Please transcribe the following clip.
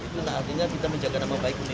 itu artinya kita menjaga nama baik ke milik